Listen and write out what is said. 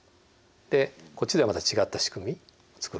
でこっちではまた違った仕組み作る。